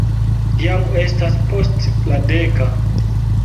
Jam estas post la deka.